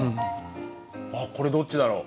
あっこれどっちだろう？